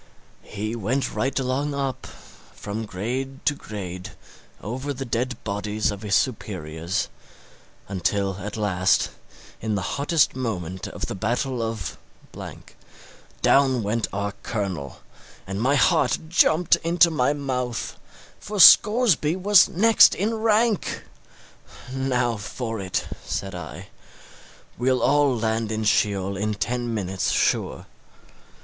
He went right along up, from grade to grade, over the dead bodies of his superiors, until at last, in the hottest moment of the battle of... down went our colonel, and my heart jumped into my mouth, for Scoresby was next in rank! Now for it, said I; we'll all land in Sheol in ten minutes, sure.